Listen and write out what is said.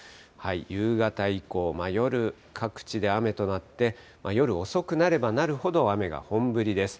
夕方以降、夜、各地で雨となって、夜遅くなればなるほど、雨が本降りです。